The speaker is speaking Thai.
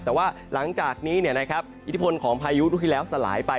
แต่ว่าหลังจากนี้อิทธิพลของพายุลูกที่แล้วสลายไป